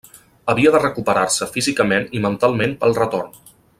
Havia de recuperar-se físicament i mentalment pel retorn.